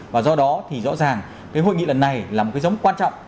và do đó thì rõ ràng cái hội nghị lần này là một cái giống quan trọng